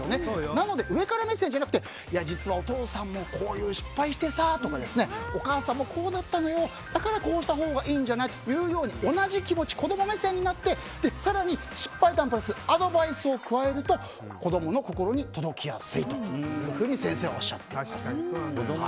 なので、上から目線じゃなくて実はお父さんもこういう失敗してさとかお母さんもこうだったのよだからこうしたほうがいいんじゃないというように同じ気持ち、子供目線になって更に、失敗談プラスアドバイスを加えると子供の心に届きやすいと先生はおっしゃっています。